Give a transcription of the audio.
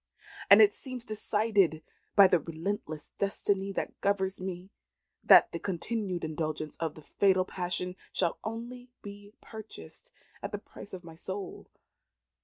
"And it seems decided by the relentless destiny that governs me, that the continued indulgence of the fatal passion shall only be purchased at the price of my soul.